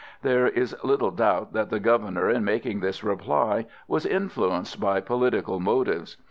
There is little doubt that the Governor in making this reply was influenced by political motives.